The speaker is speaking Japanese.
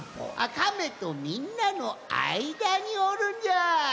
カメとみんなのあいだにおるんじゃ！